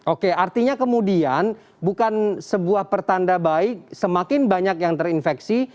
oke artinya kemudian bukan sebuah pertanda baik semakin banyak yang terinfeksi